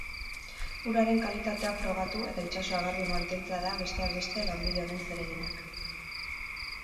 Uraren kalitatea frogatu eta itsasoa garbi mantentzea da besteak beste lanbide honen zereginak.